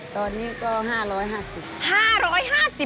ตอนนี้ก็๕๕๐บาท